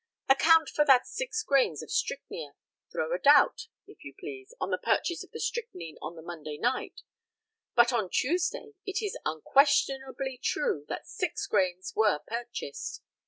Account for that six grains of strychnia. Throw a doubt, if you please, on the purchase of the strychnine on the Monday night, but on Tuesday it is unquestionably true that six grains were purchased.